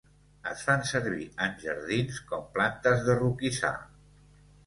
Es fan servir en jardins com plantes de roquissar.